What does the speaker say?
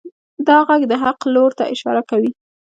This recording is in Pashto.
دا غږ د حق لور ته اشاره کوي.